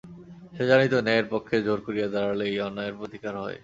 সে জানিত ন্যায়ের পক্ষে জোর করিয়া দাঁড়াইলেই অন্যায়ের প্রতিকার হয়।